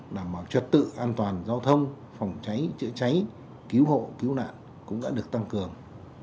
đảm bảo trật tự an toàn giao thông phòng cháy chữa cháy cứu hộ cứu nạn cũng đã được tăng cường